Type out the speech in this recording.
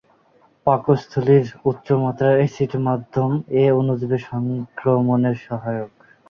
পাকস্থলীর উচ্চমাত্রার এসিড-মাধ্যম এ অণুজীবের সংক্রমণের সহায়ক।